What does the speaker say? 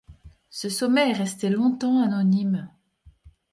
Ce sommet est resté longtemps anonyme.